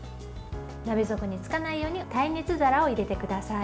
鍋底につかないように耐熱皿を入れてください。